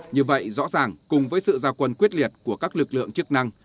như vậy rõ ràng cùng với sự gia quân quyết liệt của các lực lượng chức năng